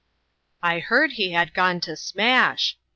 " I heard he had gone to smash